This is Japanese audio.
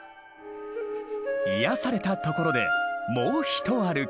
癒やされたところでもう一歩き。